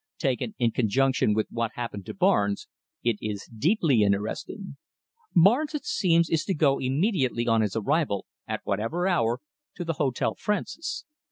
Taken in conjunction with what happened to Barnes, it is deeply interesting. Barnes, it seems, is to go immediately on his arrival, at whatever hour, to the Hotel Francis.